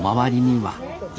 はい。